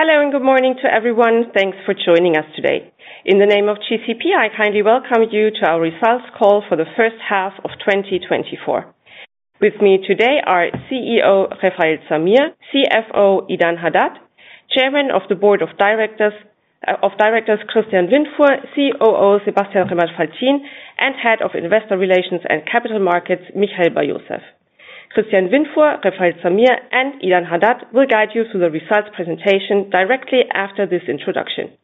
Hello, good morning to everyone. Thanks for joining us today. In the name of GCP, I kindly welcome you to our results call for the first half of 2024. With me today are CEO Refael Zamir, CFO Idan Hadad, Chairman of the Board of Directors Christian Windfuhr, COO Sebastian Remmert-Faltin, and Head of Investor Relations and Capital Markets, Michael Bar-Yosef. Christian Windfuhr, Refael Zamir and Idan Hadad will guide you through the results presentation directly after this introduction.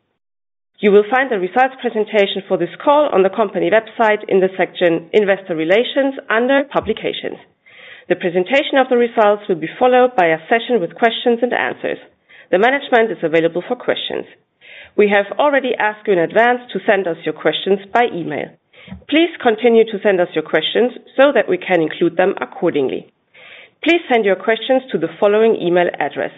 You will find the results presentation for this call on the company website in the section Investor Relations under Publications. The presentation of the results will be followed by a session with questions and answers. The management is available for questions. We have already asked you in advance to send us your questions by email. Please continue to send us your questions so that we can include them accordingly. Please send your questions to the following email address,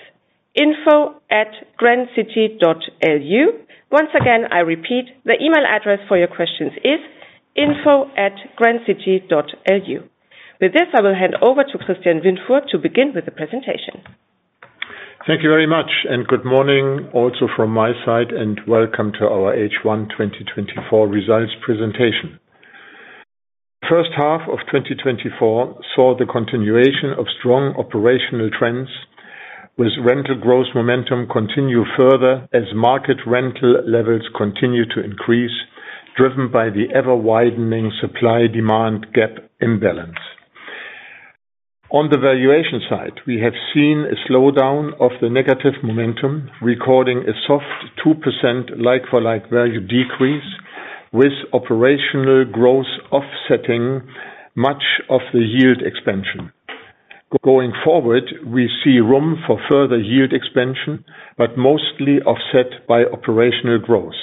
info@grandcity.lu. Once again, I repeat, the email address for your questions is info@grandcity.lu. I will hand over to Christian Windfuhr to begin with the presentation. Thank you very much, good morning also from my side, and welcome to our H1 2024 results presentation. First half of 2024 saw the continuation of strong operational trends with rental growth momentum continue further as market rental levels continue to increase, driven by the ever-widening supply/demand gap imbalance. On the valuation side, we have seen a slowdown of the negative momentum, recording a soft 2% like-for-like value decrease with operational growth offsetting much of the yield expansion. Going forward, we see room for further yield expansion, mostly offset by operational growth.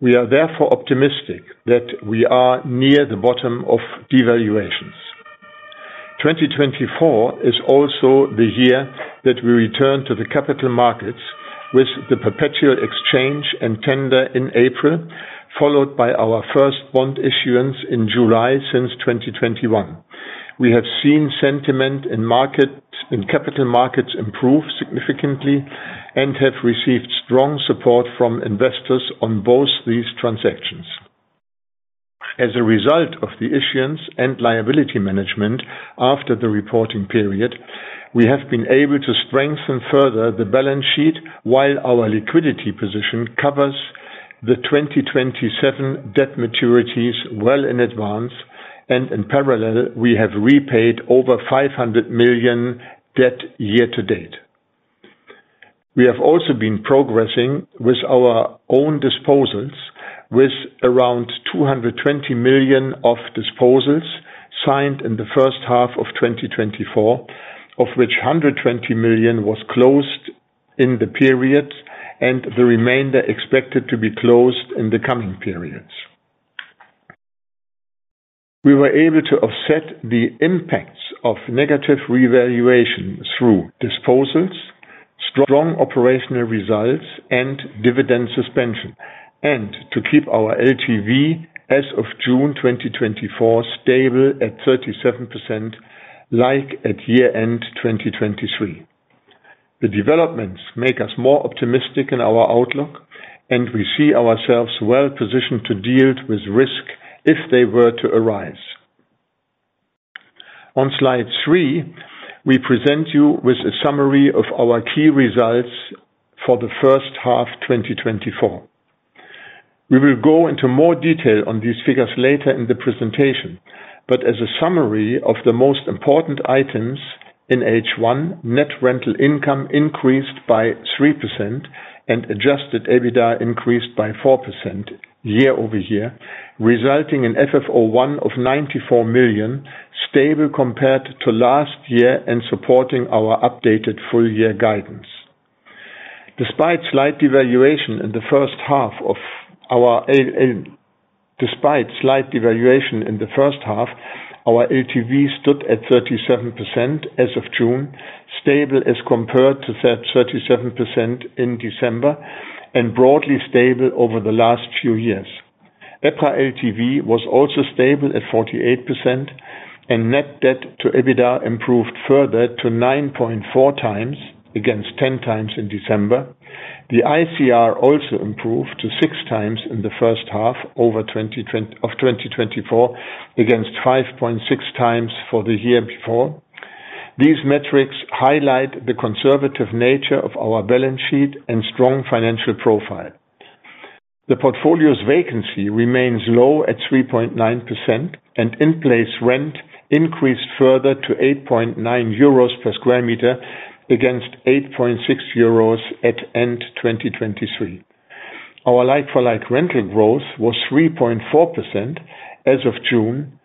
We are therefore optimistic that we are near the bottom of devaluations. 2024 is also the year that we return to the capital markets with the perpetual exchange and tender in April, followed by our first bond issuance in July since 2021. We have seen sentiment in capital markets improve significantly and have received strong support from investors on both these transactions. As a result of the issuance and liability management after the reporting period, we have been able to strengthen further the balance sheet while our liquidity position covers the 2027 debt maturities well in advance, and in parallel, we have repaid over 500 million debt year to date. We have also been progressing with our own disposals, with around 220 million of disposals signed in the first half of 2024, of which 120 million was closed in the period, and the remainder expected to be closed in the coming periods. We were able to offset the impacts of negative revaluation through disposals, strong operational results, and dividend suspension, and to keep our LTV as of June 2024 stable at 37%, like at year-end 2023. The developments make us more optimistic in our outlook. We see ourselves well positioned to deal with risk if they were to arise. On slide three, we present you with a summary of our key results for the first half 2024. We will go into more detail on these figures later in the presentation, but as a summary of the most important items in H1, net rental income increased by 3% and adjusted EBITDA increased by 4% year-over-year, resulting in FFO I of 94 million, stable compared to last year and supporting our updated full year guidance. Despite slight devaluation in the first half, our LTV stood at 37% as of June, stable as compared to that 37% in December, and broadly stable over the last few years. EPRA LTV was also stable at 48%. Net debt to EBITDA improved further to 9.4x against 10x in December. The ICR also improved to 6x in the first half of 2024 against 5.6x for the year before. These metrics highlight the conservative nature of our balance sheet and strong financial profile. The portfolio's vacancy remains low at 3.9%, and in-place rent increased further to 8.9 euros per square meter against 8.6 euros at end 2023. Our like-for-like rental growth was 3.4% as of June,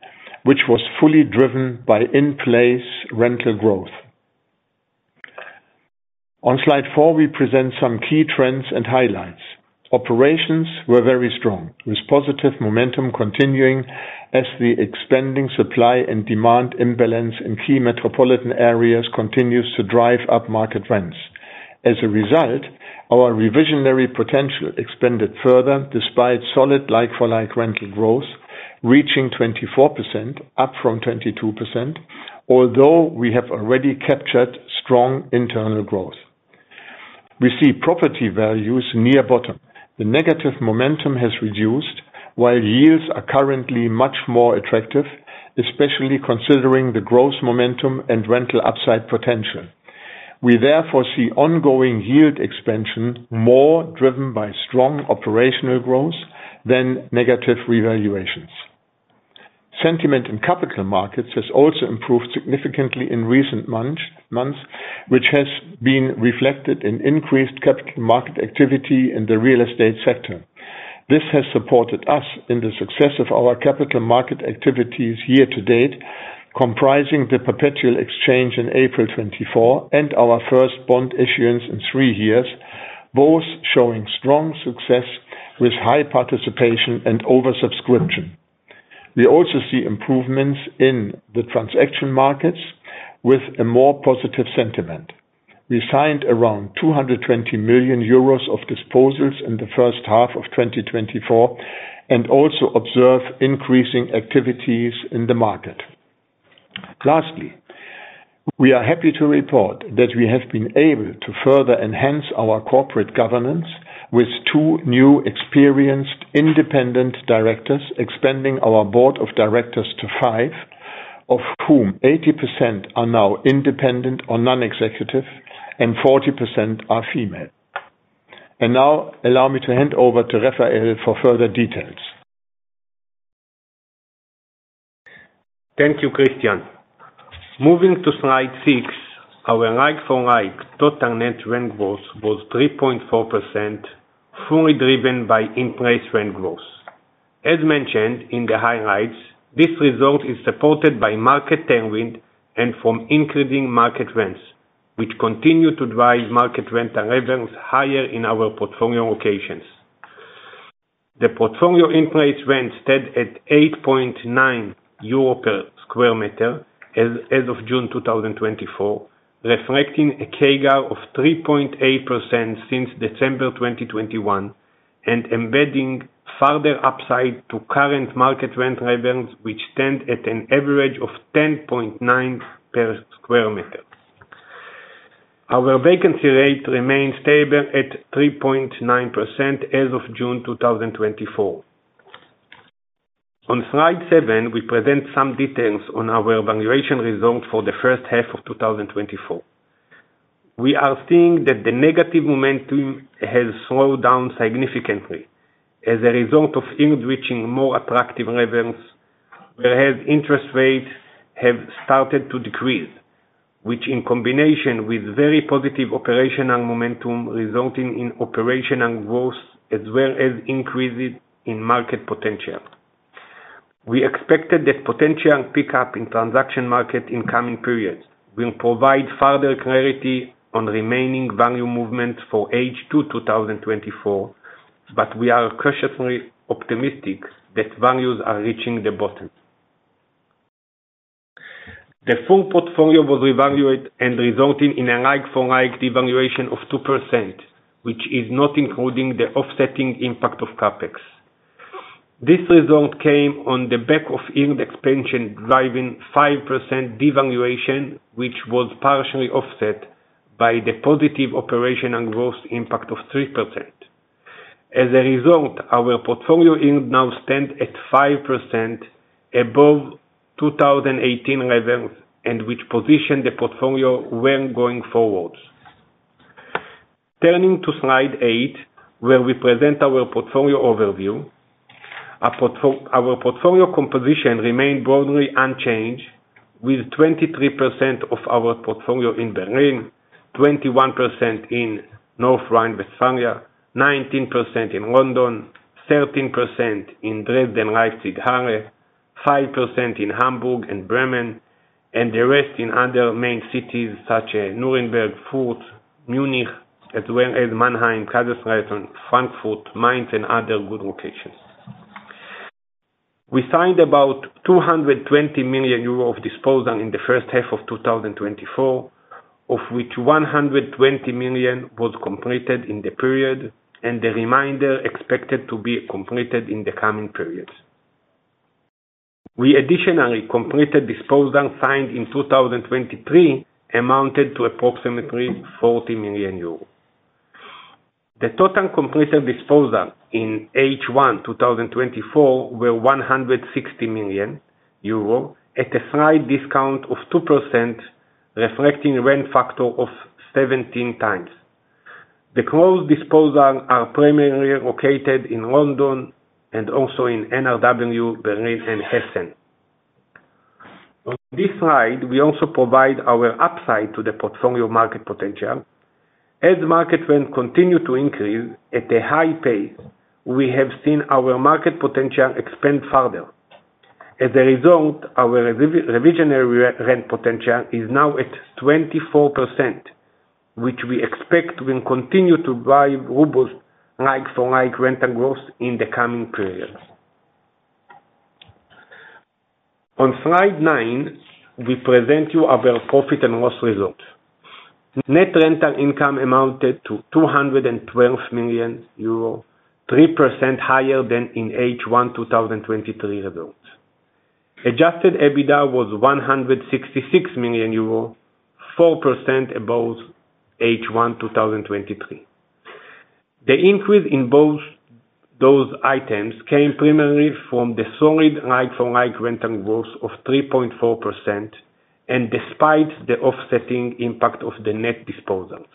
which was fully driven by in-place rental growth. On slide four, we present some key trends and highlights. Operations were very strong with positive momentum continuing as the expanding supply and demand imbalance in key metropolitan areas continues to drive up market rents. As a result, our revisionary potential expanded further despite solid like-for-like rental growth. Reaching 24%, up from 22%, although we have already captured strong internal growth. We see property values near bottom. The negative momentum has reduced, while yields are currently much more attractive, especially considering the growth momentum and rental upside potential. We therefore see ongoing yield expansion more driven by strong operational growth than negative revaluations. Sentiment in capital markets has also improved significantly in recent months, which has been reflected in increased capital market activity in the real estate sector. This has supported us in the success of our capital market activities year to date, comprising the perpetual exchange in April 2024 and our first bond issuance in three years, both showing strong success with high participation and over-subscription. We also see improvements in the transaction markets with a more positive sentiment. We signed around 220 million euros of disposals in the first half of 2024. We also observe increasing activities in the market. Lastly, we are happy to report that we have been able to further enhance our corporate governance with two new experienced independent directors, expanding our Board of Directors to five, of whom 80% are now independent or non-executive and 40% are female. Now allow me to hand over to Refael for further details. Thank you, Christian. Moving to slide six, our like-for-like total net rent growth was 3.4%, fully driven by in-place rent growth. As mentioned in the highlights, this result is supported by market tailwind and from increasing market rents, which continue to drive market rent and revenues higher in our portfolio locations. The portfolio in place rent stood at 8.9 euro per square meter as of June 2024, reflecting a CAGR of 3.8% since December 2021 and embedding further upside to current market rent revenues, which stand at an average of 10.9 per square meter. Our vacancy rate remains stable at 3.9% as of June 2024. On slide seven, we present some details on our valuation results for the first half of 2024. We are seeing that the negative momentum has slowed down significantly as a result of yields reaching more attractive levels, whereas interest rates have started to decrease, which in combination with very positive operational momentum resulting in operational growth as well as increases in market potential. We expected that potential pickup in transaction market in coming periods will provide further clarity on remaining value movement for H2 2024, but we are cautiously optimistic that values are reaching the bottom. The full portfolio was revalued resulting in a like-for-like valuation of 2%, which is not including the offsetting impact of CapEx. This result came on the back of yield expansion driving 5% devaluation, which was partially offset by the positive operational growth impact of 3%. As a result, our portfolio yield now stands at 5% above 2018 levels, which position the portfolio well going forward. Turning to slide eight, where we present our portfolio overview. Our portfolio composition remained broadly unchanged with 23% of our portfolio in Berlin, 21% in North Rhine-Westphalia, 19% in London, 13% in Dresden, Leipzig, Halle, 5% in Hamburg and Bremen, and the rest in other main cities such as Nuremberg, Fürth, Munich, as well as Mannheim, Kaiserslautern, Frankfurt, Mainz, and other good locations. We signed about 220 million euro of disposal in the first half of 2024, of which 120 million was completed in the period, and the remainder expected to be completed in the coming periods. We additionally completed disposal signed in 2023 amounted to approximately 40 million euros. The total completed disposal in H1 2024 were 160 million euro at a slight discount of 2%, reflecting rent factor of 17x. The closed disposal are primarily located in London and also in NRW, Berlin, and Essen. On this slide, we also provide our upside to the portfolio market potential. As market rent continue to increase at a high pace, we have seen our market potential expand further. As a result, our revisionary rent potential is now at 24%, which we expect will continue to drive robust like-for-like rental growth in the coming periods. On slide nine, we present you our profit and loss results. Net rental income amounted to 212 million euro, 3% higher than in H1 2023 results. Adjusted EBITDA was 166 million euro, 4% above H1 2023. The increase in both those items came primarily from the solid like-for-like rental growth of 3.4%, despite the offsetting impact of the net disposals.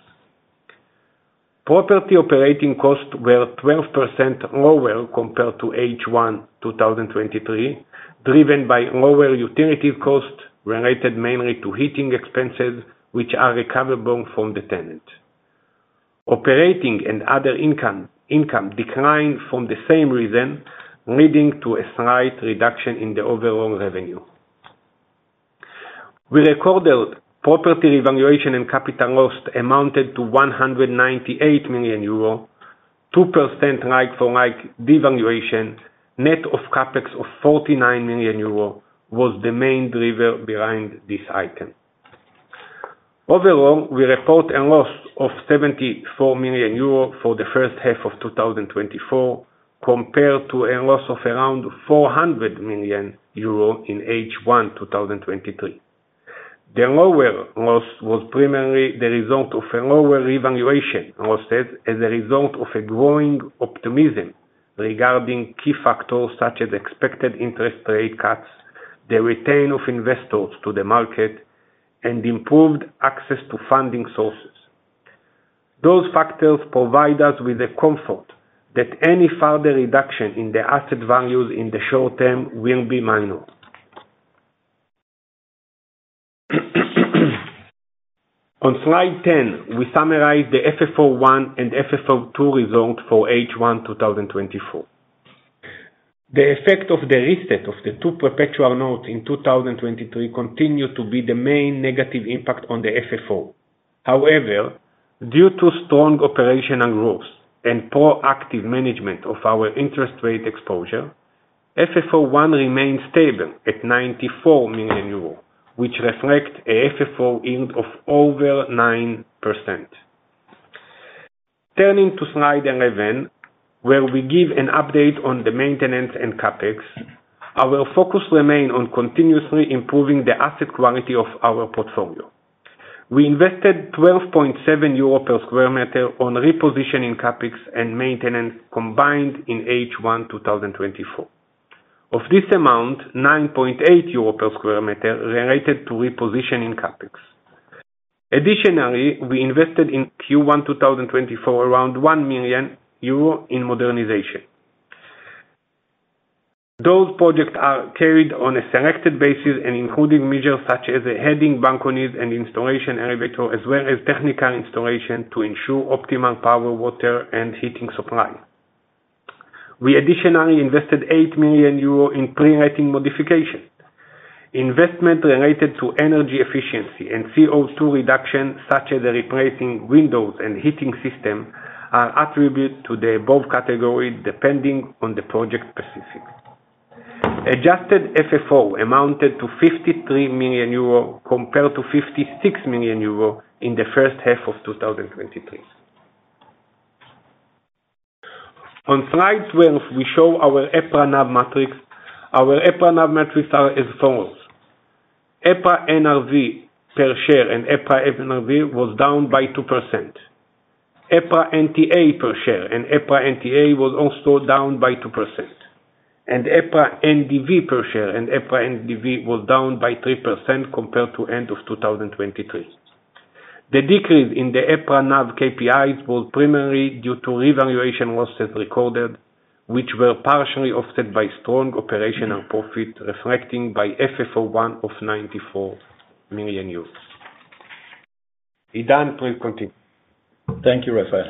Property operating costs were 12% lower compared to H1 2023, driven by lower utility costs related mainly to heating expenses, which are recoverable from the tenant. Operating and other income declined for the same reason, leading to a slight reduction in the overall revenue. We recorded property revaluation and capital loss amounted to 198 million euro, 2% like-for-like devaluation, net of CapEx of 49 million euro, was the main driver behind this item. Overall, we report a loss of 74 million euro for the first half of 2024 compared to a loss of around 400 million euro in H1 2023. The lower loss was primarily the result of a lower revaluation losses as a result of a growing optimism regarding key factors such as expected interest rate cuts, the return of investors to the market, and improved access to funding sources. Those factors provide us with the comfort that any further reduction in the asset values in the short term will be minor. On slide 10, we summarize the FFO I and FFO II results for H1 2024. The effect of the reset of the two perpetual notes in 2023 continued to be the main negative impact on the FFO. However, due to strong operational growth and proactive management of our interest rate exposure, FFO I remains stable at 94 million euro, which reflects a FFO yield of over 9%. Turning to slide 11, where we give an update on the maintenance and CapEx. Our focus remain on continuously improving the asset quality of our portfolio. We invested 12.7 euro per square meter on repositioning CapEx and maintenance combined in H1 2024. Of this amount, 9.8 euro per square meter related to repositioning CapEx. Additionally, we invested in Q1 2024, around 1 million euro in modernization. Those projects are carried on a selected basis and including measures such as adding balconies and installation elevator, as well as technical installation to ensure optimal power, water, and heating supply. We additionally invested 8 million euro in pre-letting modifications. Investment related to energy efficiency and CO2 reduction, such as replacing windows and heating systems, are attributed to the above category, depending on the project specifics. Adjusted FFO amounted to 53 million euro compared to 56 million euro in the first half of 2023. On slide 12, we show our EPRA NAV metrics. Our EPRA NAV metrics are as follows: EPRA NRV per share and EPRA NRV was down by 2%. EPRA NTA per share and EPRA NTA was also down by 2%. EPRA NDV per share and EPRA NDV was down by 3% compared to end of 2023. The decrease in the EPRA NAV KPIs was primarily due to revaluation losses recorded, which were partially offset by strong operational profit, reflecting by FFO I of 94 million. Idan, please continue. Thank you, Refael.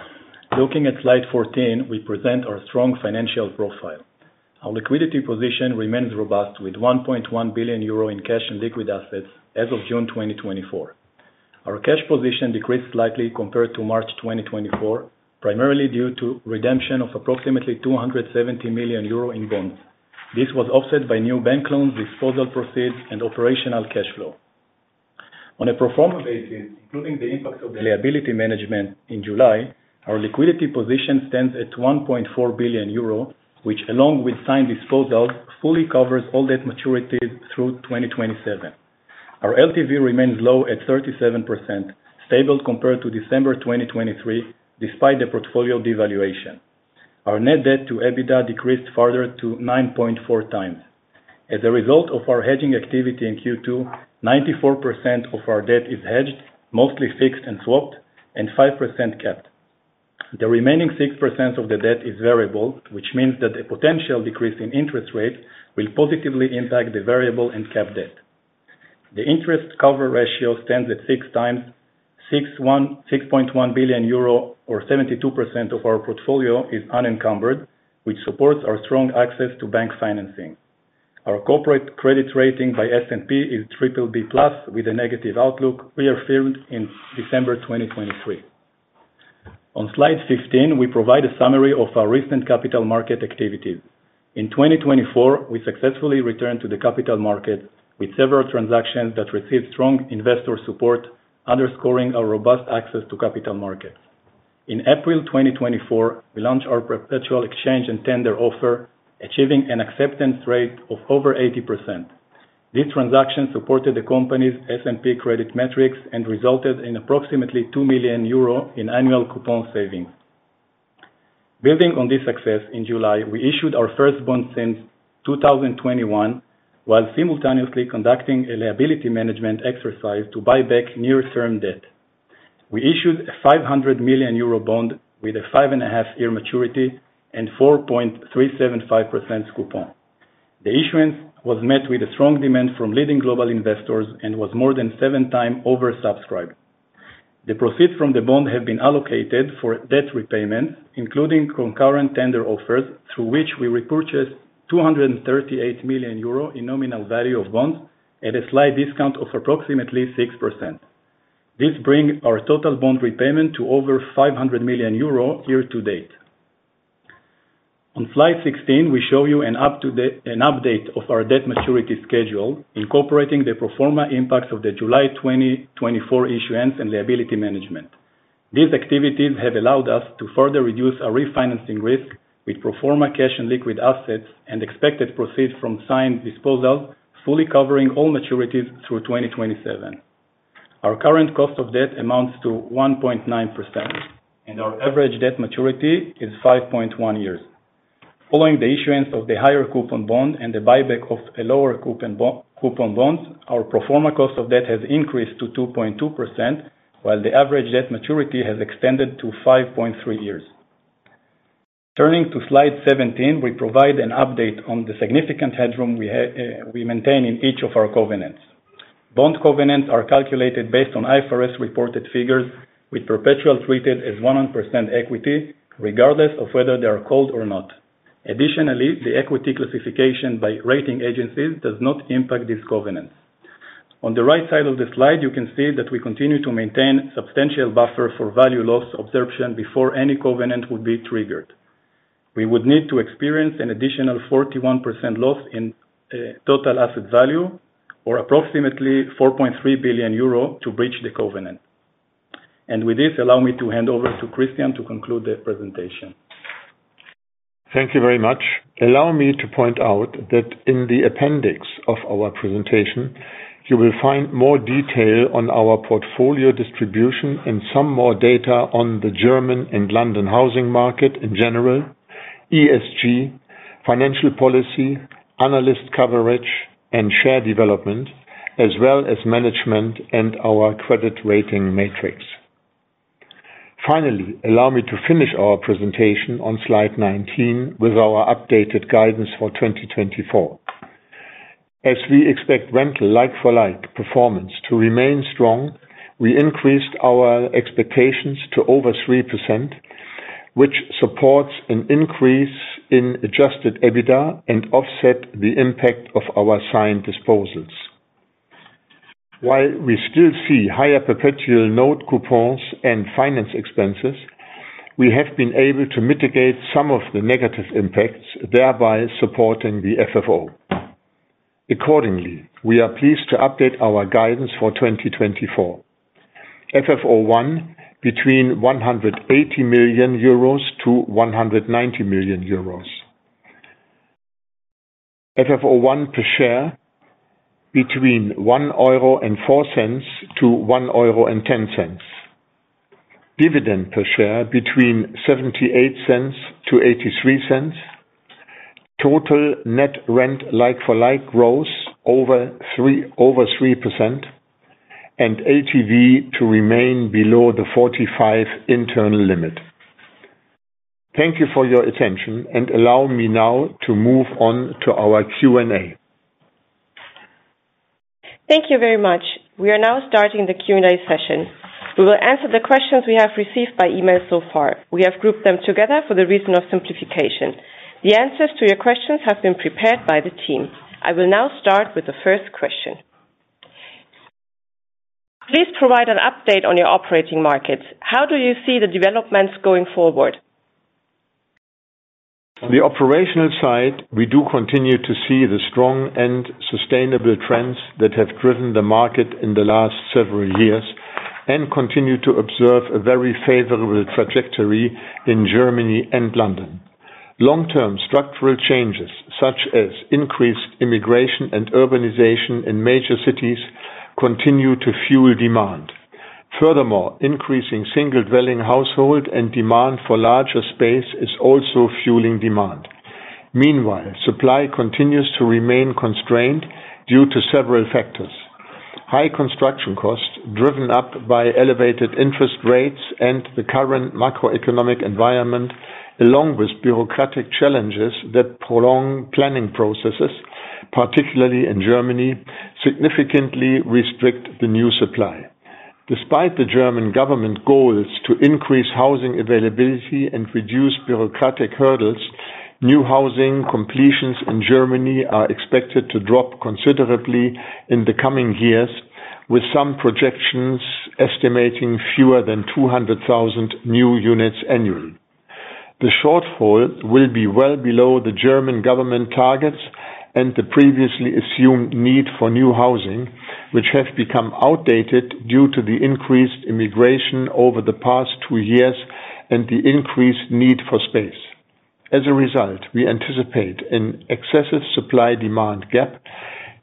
Looking at slide 14, we present our strong financial profile. Our liquidity position remains robust with 1.1 billion euro in cash and liquid assets as of June 2024. Our cash position decreased slightly compared to March 2024, primarily due to redemption of approximately 270 million euro in bonds. This was offset by new bank loans, disposal proceeds, and operational cash flow. On a pro forma basis, including the impact of the liability management in July, our liquidity position stands at 1.4 billion euro, which along with signed disposals, fully covers all debt maturities through 2027. Our LTV remains low at 37%, stable compared to December 2023, despite the portfolio devaluation. Our net debt to EBITDA decreased further to 9.4x. As a result of our hedging activity in Q2, 94% of our debt is hedged, mostly fixed and swapped, and 5% capped. The remaining 6% of the debt is variable, which means that a potential decrease in interest rates will positively impact the variable and capped debt. The interest cover ratio stands at 6x. 6.1 billion euro or 72% of our portfolio is unencumbered, which supports our strong access to bank financing. Our corporate credit rating by S&P is BBB+ with a negative outlook reaffirmed in December 2023. On slide 15, we provide a summary of our recent capital market activity. In 2024, we successfully returned to the capital market with several transactions that received strong investor support, underscoring our robust access to capital markets. In April 2024, we launched our perpetual exchange and tender offer, achieving an acceptance rate of over 80%. This transaction supported the company's S&P credit metrics and resulted in approximately 2 million euro in annual coupon savings. Building on this success, in July, we issued our first bond since 2021, while simultaneously conducting a liability management exercise to buy back near-term debt. We issued a 500 million euro bond with a five and a half year maturity and 4.375% coupon. The issuance was met with a strong demand from leading global investors and was more than 7x oversubscribed. The proceeds from the bond have been allocated for debt repayments, including concurrent tender offers, through which we repurchased 238 million euro in nominal value of bonds at a slight discount of approximately 6%. This brings our total bond repayment to over 500 million euro year to date. On slide 16, we show you an update of our debt maturity schedule, incorporating the pro forma impacts of the July 2024 issuance and liability management. These activities have allowed us to further reduce our refinancing risk with pro forma cash and liquid assets, and expected proceeds from signed disposals, fully covering all maturities through 2027. Our current cost of debt amounts to 1.9%, and our average debt maturity is 5.1 years. Following the issuance of the higher coupon bond and the buyback of a lower coupon bond, our pro forma cost of debt has increased to 2.2%, while the average debt maturity has extended to 5.3 years. Turning to slide 17, we provide an update on the significant headroom we maintain in each of our covenants. Bond covenants are calculated based on IFRS reported figures, with perpetual treated as 100% equity, regardless of whether they are called or not. Additionally, the equity classification by rating agencies does not impact these covenants. On the right side of the slide, you can see that we continue to maintain substantial buffer for value loss absorption before any covenant would be triggered. We would need to experience an additional 41% loss in total asset value, or approximately 4.3 billion euro, to breach the covenant. With this, allow me to hand over to Christian to conclude the presentation. Thank you very much. Allow me to point out that in the appendix of our presentation, you will find more detail on our portfolio distribution and some more data on the German and London housing market in general, ESG, financial policy, analyst coverage, and share development, as well as management and our credit rating matrix. Finally, allow me to finish our presentation on slide 19 with our updated guidance for 2024. As we expect rental like-for-like performance to remain strong, we increased our expectations to over 3%, which supports an increase in adjusted EBITDA and offset the impact of our signed disposals. While we still see higher perpetual note coupons and finance expenses, we have been able to mitigate some of the negative impacts, thereby supporting the FFO. Accordingly, we are pleased to update our guidance for 2024. FFO I, between EUR 180 million-EUR 190 million. FFO I per share, between 1.04-1.10 euro. Dividend per share, between 0.78-0.83. Total net rent like-for-like growth, over 3%, and LTV to remain below the 45 internal limit. Thank you for your attention. Allow me now to move on to our Q&A. Thank you very much. We are now starting the Q&A session. We will answer the questions we have received by email so far. We have grouped them together for the reason of simplification. The answers to your questions have been prepared by the team. I will now start with the first question. Please provide an update on your operating markets. How do you see the developments going forward? On the operational side, we do continue to see the strong and sustainable trends that have driven the market in the last several years and continue to observe a very favorable trajectory in Germany and London. Long-term structural changes, such as increased immigration and urbanization in major cities, continue to fuel demand. Furthermore, increasing single-dwelling household and demand for larger space is also fueling demand. Supply continues to remain constrained due to several factors. High construction costs, driven up by elevated interest rates and the current macroeconomic environment, along with bureaucratic challenges that prolong planning processes, particularly in Germany, significantly restrict the new supply. Despite the German government goals to increase housing availability and reduce bureaucratic hurdles, new housing completions in Germany are expected to drop considerably in the coming years. With some projections estimating fewer than 200,000 new units annually. The shortfall will be well below the German government targets and the previously assumed need for new housing, which have become outdated due to the increased immigration over the past two years and the increased need for space. As a result, we anticipate an excessive supply-demand gap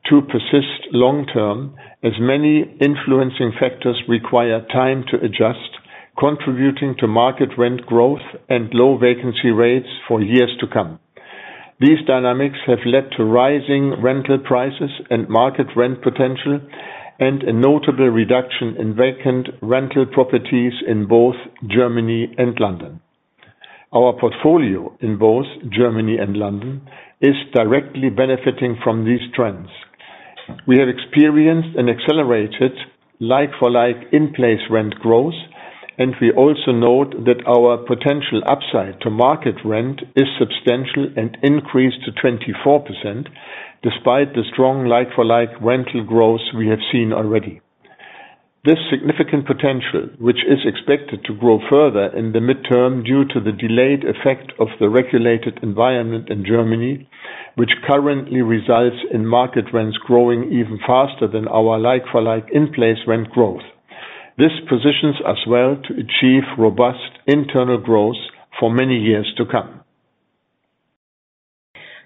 to persist long-term, as many influencing factors require time to adjust, contributing to market rent growth and low vacancy rates for years to come. These dynamics have led to rising rental prices and market rent potential, and a notable reduction in vacant rental properties in both Germany and London. Our portfolio in both Germany and London is directly benefiting from these trends. We have experienced an accelerated like-for-like in-place rent growth, and we also note that our potential upside to market rent is substantial and increased to 24%, despite the strong like-for-like rental growth we have seen already. This significant potential, which is expected to grow further in the midterm due to the delayed effect of the regulated environment in Germany, which currently results in market rents growing even faster than our like-for-like in-place rent growth. This positions us well to achieve robust internal growth for many years to come.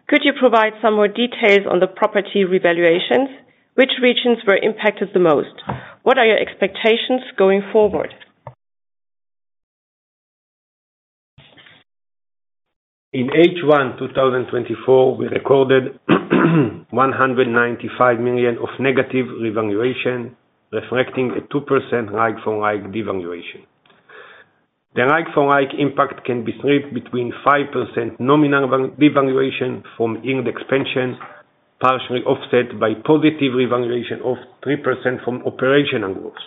Could you provide some more details on the property revaluations? Which regions were impacted the most? What are your expectations going forward? In H1 2024, we recorded 195 million of negative revaluation, reflecting a 2% like-for-like devaluation. The like-for-like impact can be split between 5% nominal devaluation from indexation, partially offset by positive revaluation of 3% from operational growth.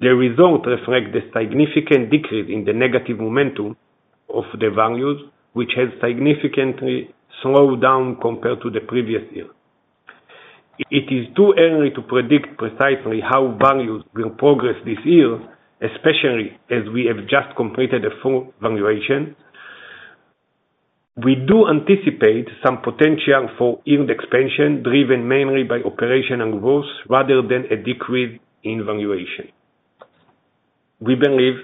The result reflects the significant decrease in the negative momentum of the values, which has significantly slowed down compared to the previous year. It is too early to predict precisely how values will progress this year, especially as we have just completed a full valuation. We do anticipate some potential for indexation, driven mainly by operational growth rather than a decrease in valuation. We believe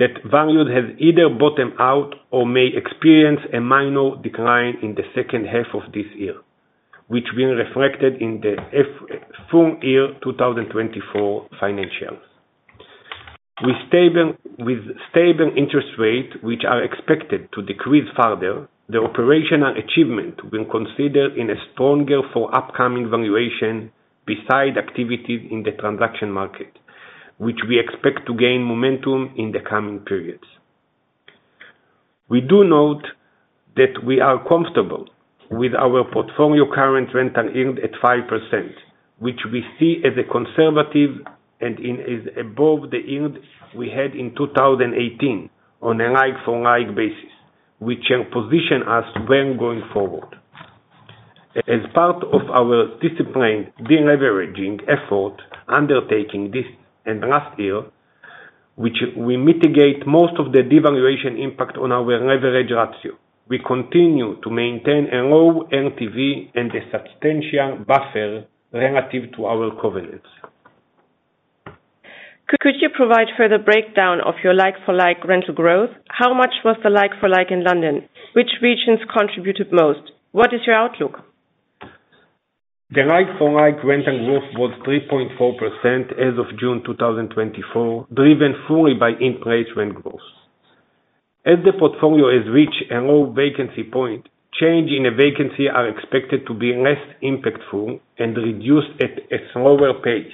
that values have either bottomed out or may experience a minor decline in the second half of this year, which will be reflected in the full year 2024 financials. With stable interest rates, which are expected to decrease further, the operational achievement will consider in a stronger for upcoming valuation beside activities in the transaction market, which we expect to gain momentum in the coming periods. We do note that we are comfortable with our portfolio current rental yield at 5%, which we see as a conservative and is above the yield we had in 2018 on a like-for-like basis, which can position us well going forward. As part of our disciplined de-leveraging effort undertaking this and last year, which we mitigate most of the devaluation impact on our leverage ratio. We continue to maintain a low LTV and a substantial buffer relative to our covenants. Could you provide further breakdown of your like-for-like rental growth? How much was the like-for-like in London? Which regions contributed most? What is your outlook? The like-for-like rental growth was 3.4% as of June 2024, driven fully by in-place rent growth. As the portfolio has reached a low vacancy point, change in a vacancy are expected to be less impactful and reduce at a slower pace.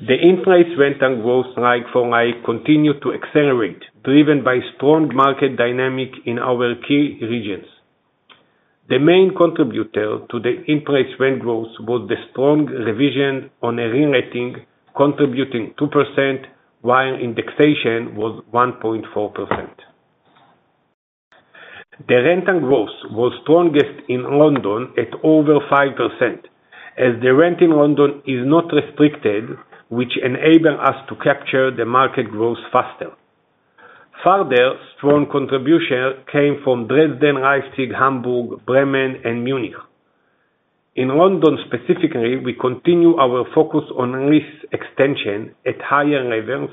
The in-place rental growth like-for-like continued to accelerate, driven by strong market dynamic in our key regions. The main contributor to the in-place rent growth was the strong revision on a reletting contributing 2%, while indexation was 1.4%. The rental growth was strongest in London at over 5%, as the rent in London is not restricted, which enable us to capture the market growth faster. Further, strong contribution came from Dresden, Leipzig, Hamburg, Bremen, and Munich. In London, specifically, we continue our focus on lease extension at higher levels,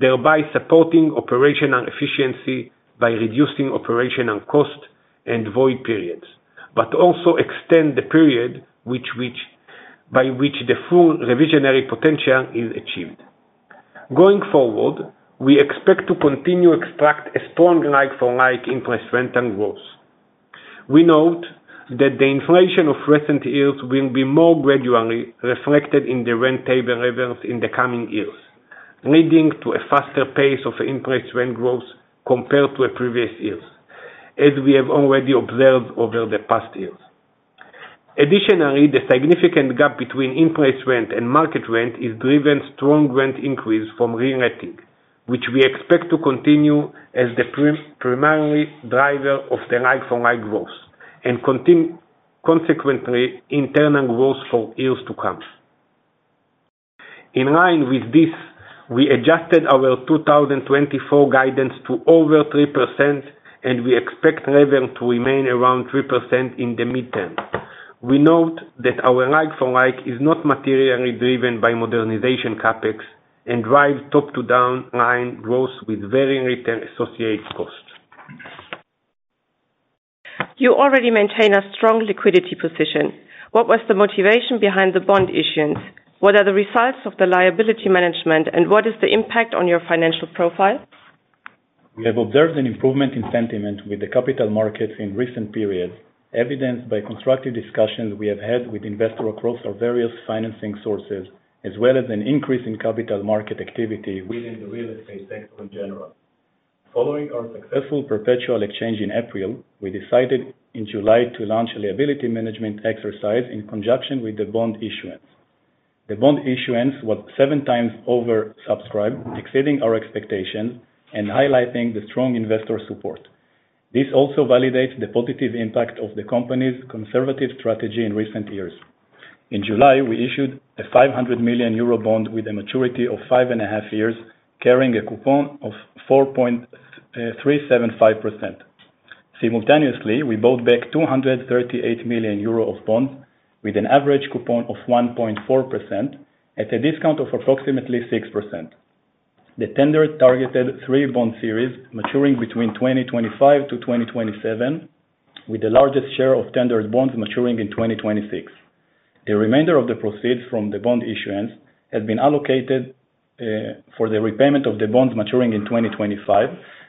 thereby supporting operational efficiency by reducing operational cost and void periods, but also extend the period by which the full revisionary potential is achieved. Going forward, we expect to continue extract a strong like-for-like in-place rental growth. We note that the inflation of recent years will be more gradually reflected in the rent table levels in the coming years, leading to a faster pace of in-place rent growth compared to previous years, as we have already observed over the past years. Additionally, the significant gap between in-place rent and market rent is driven strong rent increase from reletting. Which we expect to continue as the primary driver of the like-for-like growth, and consequently internal growth for years to come. In line with this, we adjusted our 2024 guidance to over 3%, and we expect revenue to remain around 3% in the midterm. We note that our like-for-like is not materially driven by modernization CapEx, and drives top to down line growth with very little associated cost. You already maintain a strong liquidity position. What was the motivation behind the bond issuance? What are the results of the liability management, and what is the impact on your financial profile? We have observed an improvement in sentiment with the capital markets in recent periods, evidenced by constructive discussions we have had with investors across our various financing sources, as well as an increase in capital market activity within the real estate sector in general. Following our successful perpetual exchange in April, we decided in July to launch a liability management exercise in conjunction with the bond issuance. The bond issuance was seven times oversubscribed, exceeding our expectation and highlighting the strong investor support. This also validates the positive impact of the company's conservative strategy in recent years. In July, we issued a 500 million euro bond with a maturity of five and a half years, carrying a coupon of 4.375%. Simultaneously, we bought back 238 million euro of bonds with an average coupon of 1.4% at a discount of approximately 6%. The tender targeted three bond series maturing between 2025 to 2027, with the largest share of tendered bonds maturing in 2026. The remainder of the proceeds from the bond issuance has been allocated for the repayment of the bonds maturing in 2025,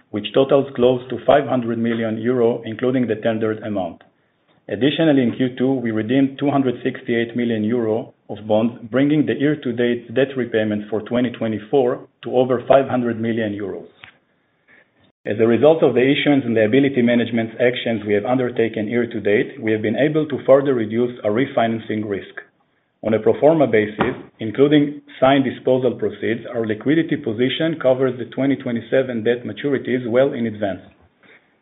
which totals close to 500 million euro, including the tendered amount. Additionally, in Q2, we redeemed 268 million euro of bonds, bringing the year-to-date debt repayment for 2024 to over 500 million euros. As a result of the issuance and liability management actions we have undertaken year to date, we have been able to further reduce our refinancing risk. On a pro forma basis, including signed disposal proceeds, our liquidity position covers the 2027 debt maturities well in advance.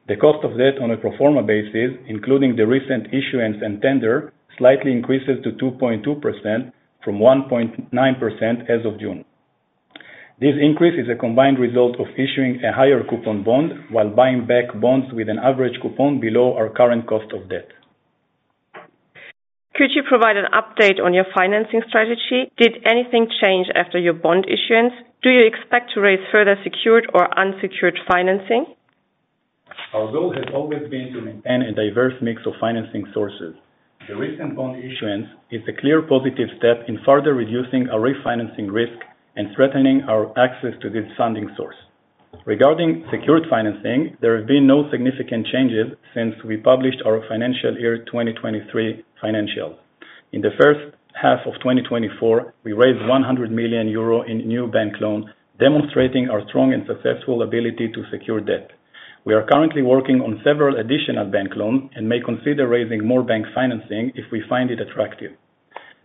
The cost of debt on a pro forma basis, including the recent issuance and tender, slightly increases to 2.2% from 1.9% as of June. This increase is a combined result of issuing a higher coupon bond while buying back bonds with an average coupon below our current cost of debt. Could you provide an update on your financing strategy? Did anything change after your bond issuance? Do you expect to raise further secured or unsecured financing? Our goal has always been to maintain a diverse mix of financing sources. The recent bond issuance is a clear positive step in further reducing our refinancing risk and strengthening our access to this funding source. Regarding secured financing, there have been no significant changes since we published our financial year 2023 financials. In the first half of 2024, we raised 100 million euro in new bank loans, demonstrating our strong and successful ability to secure debt. We are currently working on several additional bank loans and may consider raising more bank financing if we find it attractive.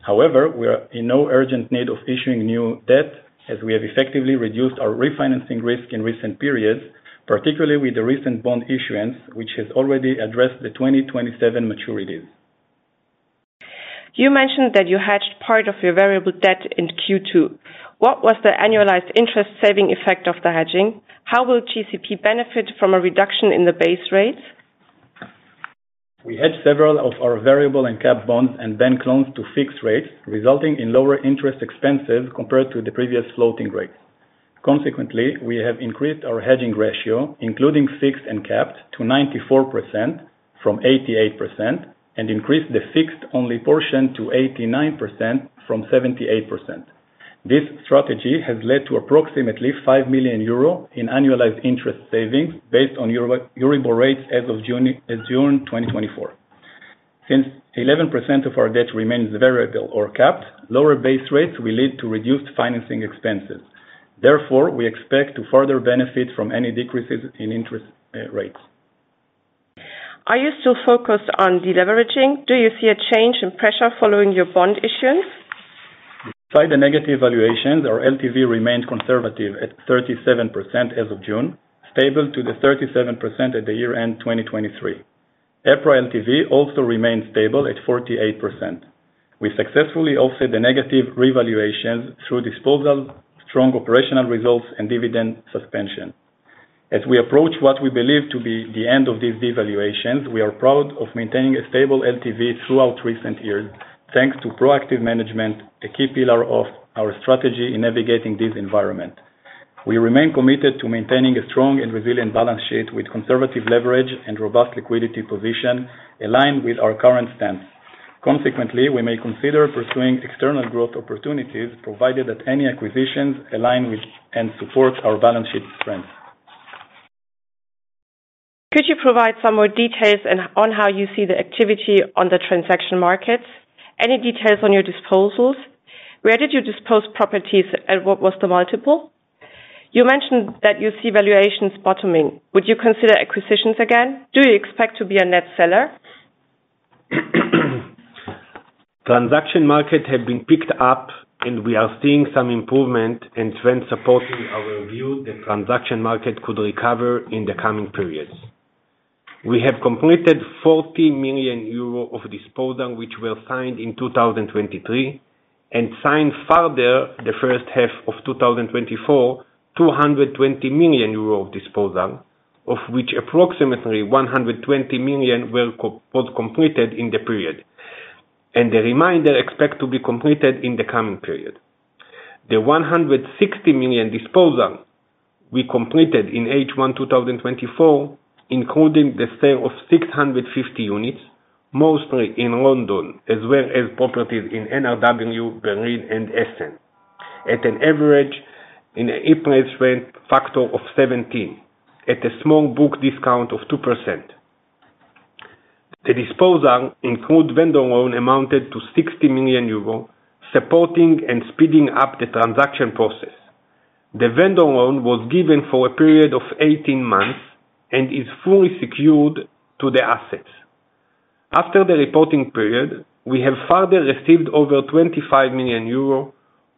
However, we are in no urgent need of issuing new debt, as we have effectively reduced our refinancing risk in recent periods, particularly with the recent bond issuance, which has already addressed the 2027 maturities. You mentioned that you hedged part of your variable debt in Q2. What was the annualized interest saving effect of the hedging? How will GCP benefit from a reduction in the base rates? We hedged several of our variable and capped bonds and bank loans to fixed rates, resulting in lower interest expenses compared to the previous floating rates. Consequently, we have increased our hedging ratio, including fixed and capped, to 94% from 88%, and increased the fixed only portion to 89% from 78%. This strategy has led to approximately 5 million euro in annualized interest savings, based on Euribor rates as of June 2024. Since 11% of our debt remains variable or capped, lower base rates will lead to reduced financing expenses. Therefore, we expect to further benefit from any decreases in interest rates. Are you still focused on deleveraging? Do you see a change in pressure following your bond issuance? Despite the negative valuations, our LTV remained conservative at 37% as of June, stable to the 37% at the year-end 2023. EPRA LTV also remained stable at 48%. We successfully offset the negative revaluations through disposals, strong operational results, and dividend suspension. As we approach what we believe to be the end of these devaluations, we are proud of maintaining a stable LTV throughout recent years, thanks to proactive management, a key pillar of our strategy in navigating this environment. We remain committed to maintaining a strong and resilient balance sheet with conservative leverage and robust liquidity position aligned with our current stance. Consequently, we may consider pursuing external growth opportunities, provided that any acquisitions align with and support our balance sheet strengths. Could you provide some more details on how you see the activity on the transaction markets? Any details on your disposals? Where did you dispose properties, and what was the multiple? You mentioned that you see valuations bottoming. Would you consider acquisitions again? Do you expect to be a net seller? Transaction market have been picked up. We are seeing some improvement and trend supporting our view that transaction market could recover in the coming periods. We have completed 40 million euro of disposal, which were signed in 2023, and signed further the first half of 2024, 220 million euro of disposal, of which approximately 120 million was completed in the period, and the remainder expect to be completed in the coming period. The 160 million disposal we completed in H1 2024, including the sale of 650 units, mostly in London, as well as properties in NRW, Berlin, and Essen, at an average EPRA rent factor of 17, at a small book discount of 2%. The disposal include vendor loan amounted to 60 million euro, supporting and speeding up the transaction process. The vendor loan was given for a period of 18 months and is fully secured to the assets. After the reporting period, we have further received over 25 million euro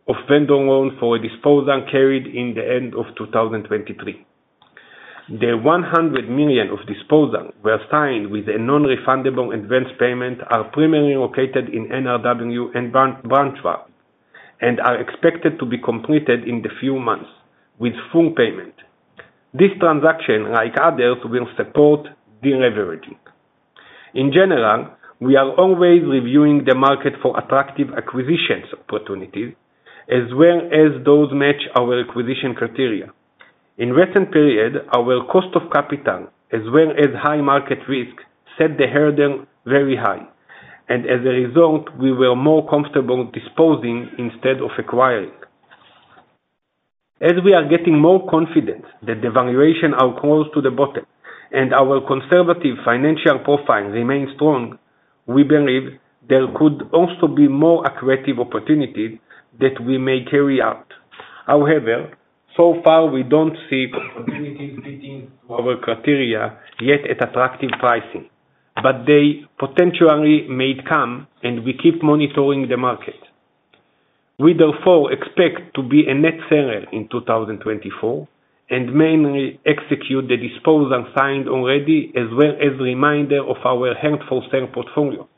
of vendor loan for a disposal carried in the end of 2023. The 100 million of disposal were signed with a non-refundable advance payment are primarily located in NRW and Braunschweig, and are expected to be completed in the few months with full payment. This transaction, like others, will support de-leveraging. In general, we are always reviewing the market for attractive acquisitions opportunities, as well as those match our acquisition criteria. In recent period, our cost of capital, as well as high market risk, set the hurdle very high. As a result, we were more comfortable disposing instead of acquiring. As we are getting more confident that the valuation are close to the bottom and our conservative financial profile remains strong, we believe there could also be more accretive opportunities that we may carry out. However, so far, we don't see opportunities fitting to our criteria yet at attractive pricing. They potentially may come, and we keep monitoring the market. We therefore expect to be a net seller in 2024 and mainly execute the disposal signed already, as well as reminder of our handful sale portfolio.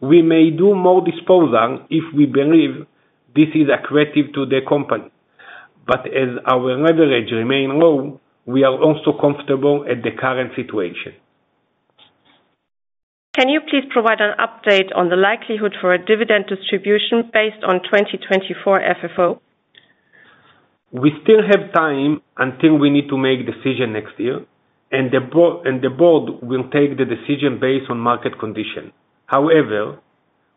We may do more disposal if we believe this is accretive to the company. As our leverage remain low, we are also comfortable at the current situation. Can you please provide an update on the likelihood for a dividend distribution based on 2024 FFO? We still have time until we need to make decision next year, and the Board will take the decision based on market condition. However,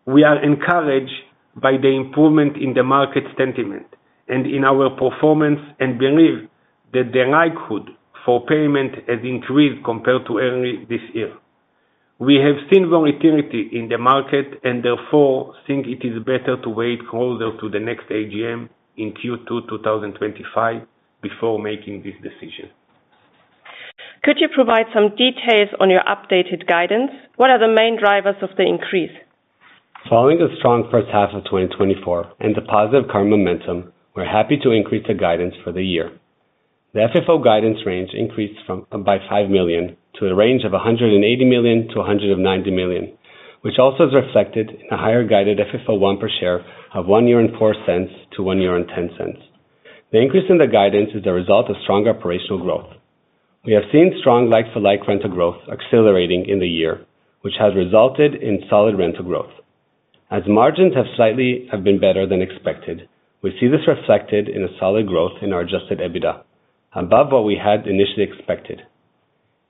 we are encouraged by the improvement in the market sentiment and in our performance and believe that the likelihood for payment has increased compared to early this year. We have seen volatility in the market, and therefore, think it is better to wait closer to the next AGM in Q2 2025 before making this decision. Could you provide some details on your updated guidance? What are the main drivers of the increase? Following the strong first half of 2024 and the positive current momentum, we're happy to increase the guidance for the year. The FFO guidance range increased by 5 million to a range of 180 million-190 million, which also is reflected in a higher guided FFO I per share of 1.04-1.10. The increase in the guidance is a result of strong operational growth. We have seen strong like-for-like rental growth accelerating in the year, which has resulted in solid rental growth. As margins have slightly been better than expected, we see this reflected in a solid growth in our adjusted EBITDA, above what we had initially expected.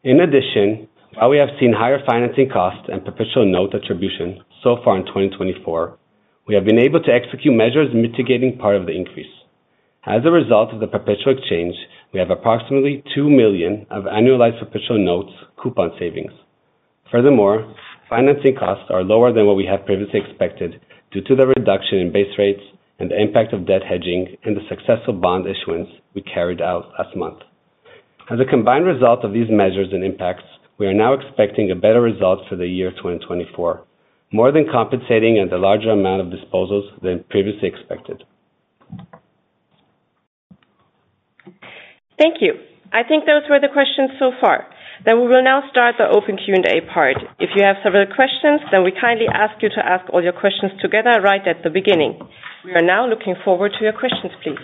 In addition, while we have seen higher financing costs and perpetual note attribution so far in 2024, we have been able to execute measures mitigating part of the increase. As a result of the perpetual exchange, we have approximately 2 million of annualized perpetual notes coupon savings. Furthermore, financing costs are lower than what we had previously expected due to the reduction in base rates and the impact of debt hedging and the successful bond issuance we carried out last month. As a combined result of these measures and impacts, we are now expecting a better result for the year 2024, more than compensating at the larger amount of disposals than previously expected. Thank you. I think those were the questions so far. We will now start the open Q&A part. If you have several questions, we kindly ask you to ask all your questions together right at the beginning. We are now looking forward to your questions, please.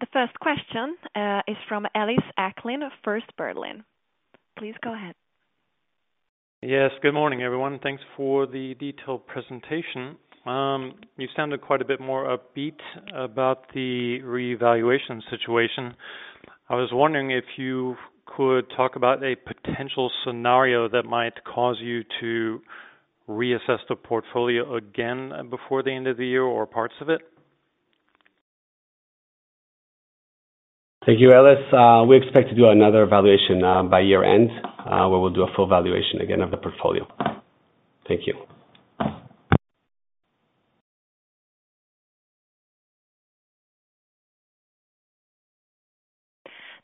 The first question is from Ellis Acklin of First Berlin. Please go ahead. Yes, good morning, everyone. Thanks for the detailed presentation. You sounded quite a bit more upbeat about the revaluation situation. I was wondering if you could talk about a potential scenario that might cause you to reassess the portfolio again before the end of the year or parts of it? Thank you, Ellis. We expect to do another valuation by year-end, where we'll do a full valuation again of the portfolio. Thank you.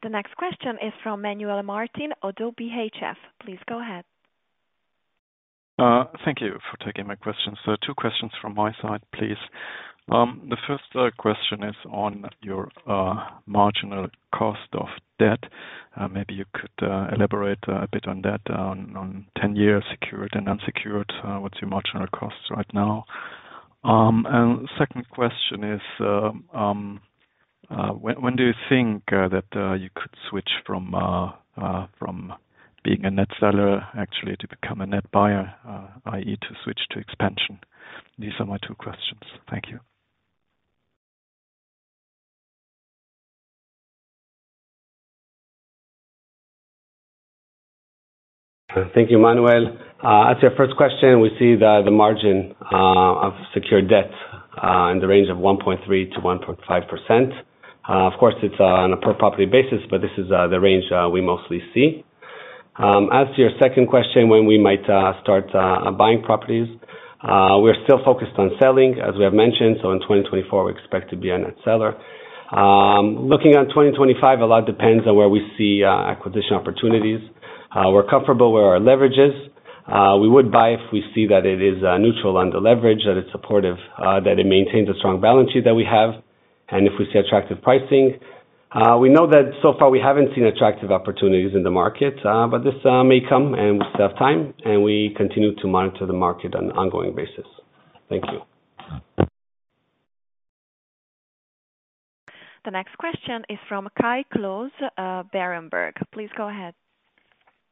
The next question is from Manuel Martin, ODDO BHF. Please go ahead. Thank you for taking my questions. Two questions from my side, please. The first question is on your marginal cost of debt. Maybe you could elaborate a bit on that on 10-year secured and unsecured. What's your marginal costs right now? Second question is, when do you think that you could switch from being a net seller actually to become a net buyer? I.e., to switch to expansion. These are my two questions. Thank you. Thank you, Manuel. As to your first question, we see that the margin of secured debt in the range of 1.3%-1.5%. Of course, it's on a per property basis. This is the range we mostly see. As to your second question, when we might start buying properties. We're still focused on selling, as we have mentioned. In 2024, we expect to be a net seller. Looking at 2025, a lot depends on where we see acquisition opportunities. We're comfortable where our leverage is. We would buy if we see that it is neutral on the leverage, that it's supportive, that it maintains a strong balance sheet that we have. If we see attractive pricing. We know that so far we haven't seen attractive opportunities in the market. This may come, and we still have time, and we continue to monitor the market on an ongoing basis. Thank you. The next question is from Kai Klose, Berenberg. Please go ahead.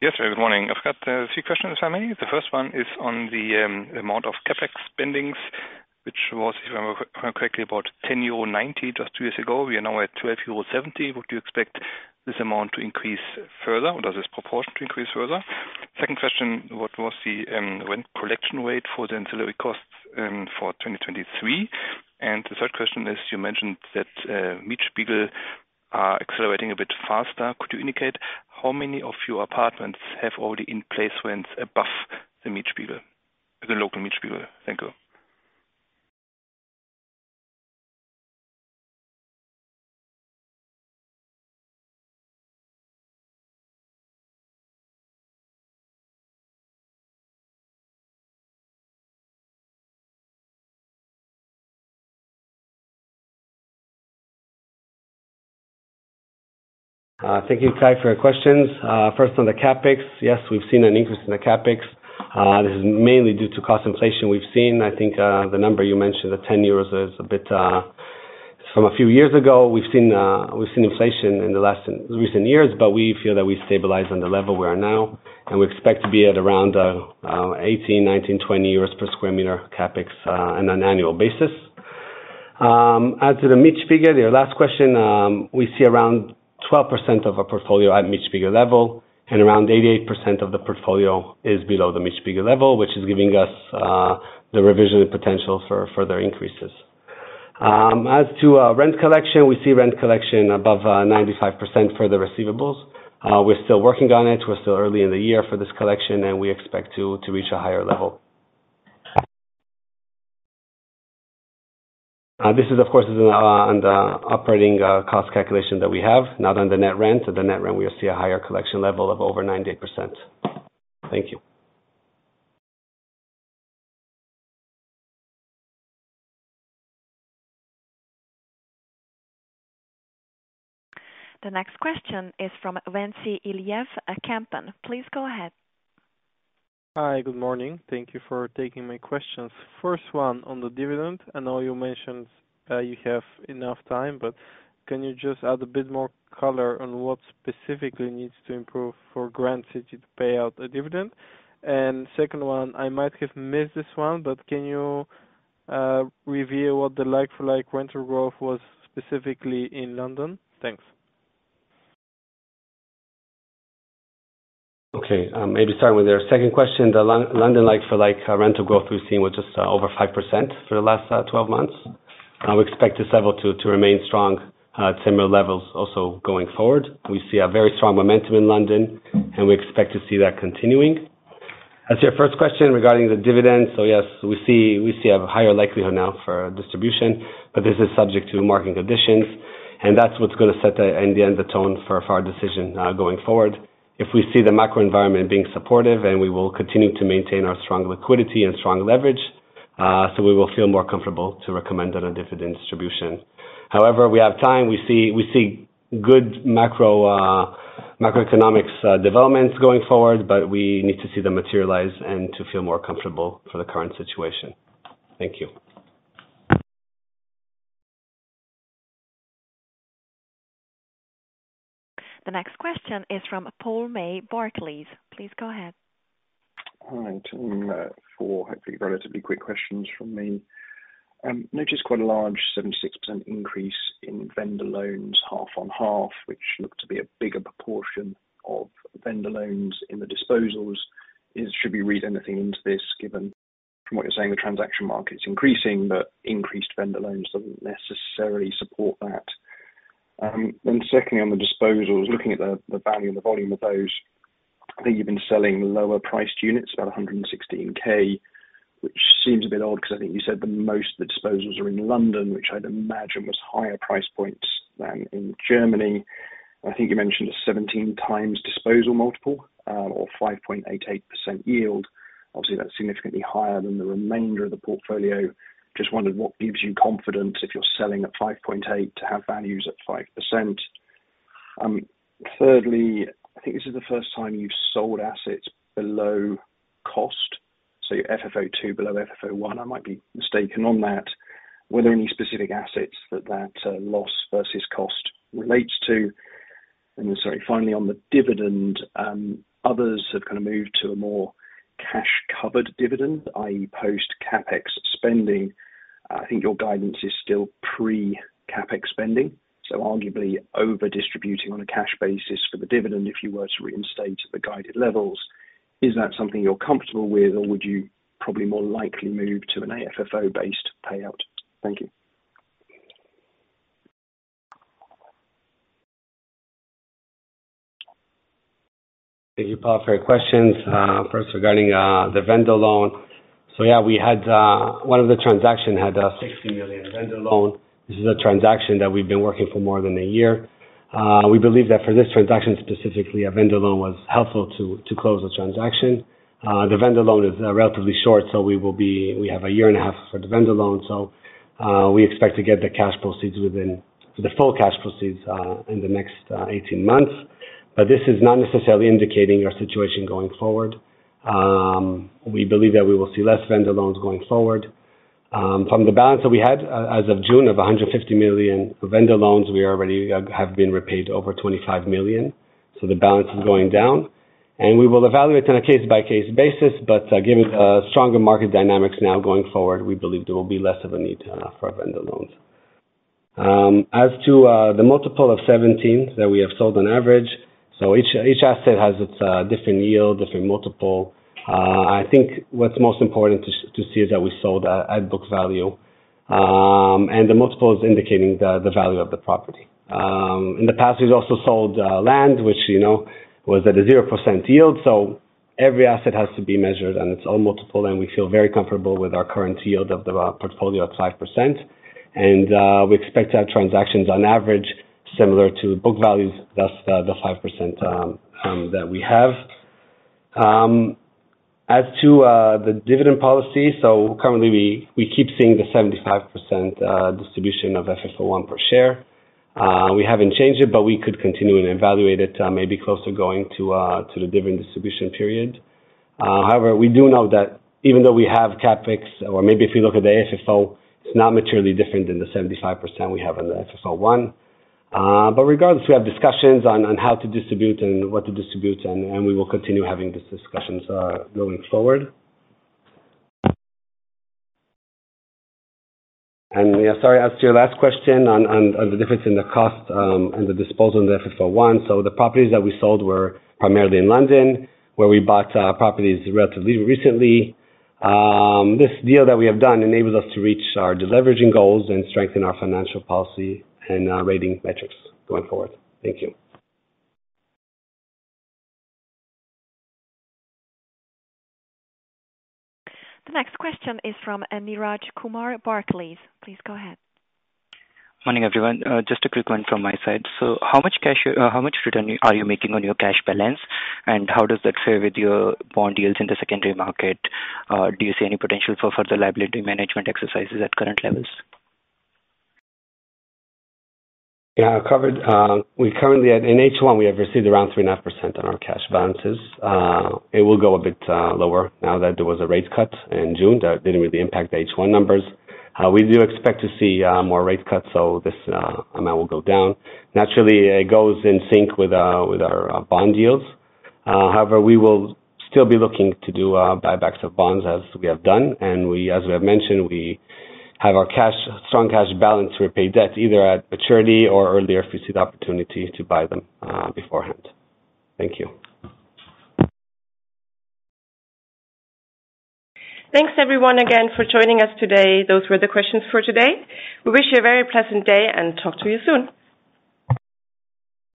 Yes, good morning. I've got three questions for me. The first one is on the amount of CapEx spendings, which was, if I remember correctly, about 10.90 euro just two years ago. We are now at 12.70 euro. Would you expect this amount to increase further, or does this proportion to increase further? Second question, what was the rent collection rate for the ancillary costs for 2023? The third question is, you mentioned that Mietspiegel are accelerating a bit faster. Could you indicate how many of your apartments have already in place rents above the Mietspiegel, the local Mietspiegel? Thank you. Thank you, Kai, for your questions. First on the CapEx. Yes, we've seen an increase in the CapEx. This is mainly due to cost inflation we've seen. I think, the number you mentioned, the 10 euros is a bit from a few years ago. We've seen inflation in the recent years, but we feel that we stabilize on the level we are now, and we expect to be at around 18, 19, 20 euros per square meter CapEx on an annual basis. As to the Mietspiegel, your last question. We see around 12% of our portfolio at Mietspiegel level and around 88% of the portfolio is below the Mietspiegel level, which is giving us the revision potential for further increases. As to rent collection, we see rent collection above 95% for the receivables. We're still working on it. We're still early in the year for this collection, we expect to reach a higher level. This is, of course, on the operating cost calculation that we have, not on the net rent. At the net rent, we see a higher collection level of over 98%. Thank you. The next question is from Ventsi Iliev at Kempen. Please go ahead. Hi. Good morning. Thank you for taking my questions. First one on the dividend. I know you mentioned that you have enough time, but can you just add a bit more color on what specifically needs to improve for Grand City to pay out a dividend? Second one, I might have missed this one, but can you reveal what the like-for-like rental growth was specifically in London? Thanks. Okay. Maybe start with your second question. The London like-for-like rental growth we've seen was just over 5% for the last 12 months. We expect this level to remain strong at similar levels also going forward. We see a very strong momentum in London, and we expect to see that continuing. As to your first question regarding the dividend. Yes, we see a higher likelihood now for distribution, but this is subject to market conditions, and that's what's going to set, in the end, the tone for our decision going forward. If we see the macro environment being supportive and we will continue to maintain our strong liquidity and strong leverage. We will feel more comfortable to recommend on a dividend distribution. However, we have time. We see good macroeconomic developments going forward, but we need to see them materialize and to feel more comfortable for the current situation. Thank you. The next question is from Paul May, Barclays. Please go ahead. All right. Four hopefully relatively quick questions from me. Noticed quite a large 76% increase in vendor loans half-on-half, which looked to be a bigger proportion of vendor loans in the disposals. Should we read anything into this given From what you're saying, the transaction market's increasing, but increased vendor loans doesn't necessarily support that. Secondly, on the disposals, looking at the value and the volume of those, I think you've been selling lower priced units, about 116,000, which seems a bit odd because I think you said the most of the disposals are in London, which I'd imagine was higher price points than in Germany. I think you mentioned a 17x disposal multiple or 5.88% yield. Obviously, that's significantly higher than the remainder of the portfolio. Just wondered what gives you confidence if you're selling at 5.8% to have values at 5%? Thirdly, I think this is the first time you've sold assets below cost. Your FFO II below FFO I. I might be mistaken on that. Were there any specific assets that that loss versus cost relates to? Sorry, finally, on the dividend. Others have moved to a more cash covered dividend, i.e., post CapEx spending. I think your guidance is still pre-CapEx spending. Arguably over distributing on a cash basis for the dividend if you were to reinstate at the guided levels. Is that something you're comfortable with or would you probably more likely move to an AFFO based payout? Thank you. Thank you, Paul, for your questions. First regarding the vendor loan. Yeah, one of the transaction had a 60 million vendor loan. This is a transaction that we've been working for more than a year. We believe that for this transaction, specifically, a vendor loan was helpful to close the transaction. The vendor loan is relatively short, so we have a year and a half for the vendor loan, so we expect to get the full cash proceeds in the next 18 months. This is not necessarily indicating our situation going forward. We believe that we will see less vendor loans going forward. From the balance that we had as of June of 150 million vendor loans, we already have been repaid over 25 million, the balance is going down. We will evaluate on a case-by-case basis, but given the stronger market dynamics now going forward, we believe there will be less of a need for vendor loans. As to the multiple of 17 that we have sold on average, each asset has its different yield, different multiple. I think what's most important to see is that we sold at book value, and the multiple is indicating the value of the property. In the past, we've also sold land, which was at a 0% yield. Every asset has to be measured on its own multiple, and we feel very comfortable with our current yield of the portfolio at 5%. We expect to have transactions on average similar to book values, thus the 5% that we have. As to the dividend policy, currently we keep seeing the 75% distribution of FFO I per share. We haven't changed it, but we could continue and evaluate it maybe closer going to the dividend distribution period. However, we do know that even though we have CapEx, or maybe if you look at the AFFO, it's not materially different than the 75% we have in the FFO I. Regardless, we have discussions on how to distribute and what to distribute, and we will continue having these discussions going forward. Sorry, as to your last question on the difference in the cost and the disposal in the FFO I. The properties that we sold were primarily in London, where we bought properties relatively recently. This deal that we have done enables us to reach our deleveraging goals and strengthen our financial policy and our rating metrics going forward. Thank you. The next question is from Neeraj Kumar at Barclays. Please go ahead. Morning, everyone. Just a quick one from my side. How much return are you making on your cash balance, and how does that fare with your bond yields in the secondary market? Do you see any potential for further liability management exercises at current levels? Yeah, in H1 we have received around 3.5% on our cash balances. It will go a bit lower now that there was a rate cut in June that didn't really impact the H1 numbers. We do expect to see more rate cuts, so this amount will go down. It goes in sync with our bond yields. However, we will still be looking to do buybacks of bonds as we have done. As we have mentioned, we have our strong cash balance to repay debt either at maturity or earlier if we see the opportunity to buy them beforehand. Thank you. Thanks, everyone, again for joining us today. Those were the questions for today. We wish you a very pleasant day and talk to you soon.